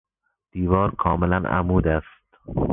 دیوار کاملا عمود است.